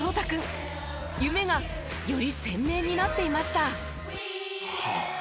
夢がより鮮明になっていました。